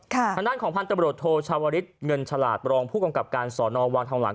ขณะนั้นของพันธุ์ตำรวจโทรชาวริตเงินฉลาดรองผู้กำกับการสอนอวางทางหลัง